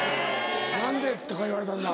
何で？とか言われたんだ。